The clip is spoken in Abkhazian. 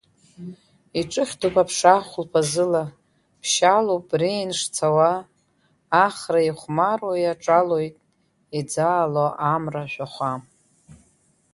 Иҿыхьҭоуп аԥша хәылԥазыла, Ԥшьаалоуп Реин шцауа, Ахра ихәмаруа иаҿалоит Иӡаало амра ашәахәа.